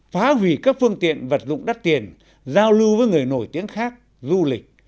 phá hủy các phương tiện vật dụng đắt tiền giao lưu với người nổi tiếng khác du lịch